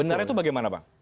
benarnya itu bagaimana pak